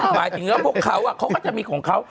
หมายถึงว่าพวกเขาเขาก็จะมีของเขา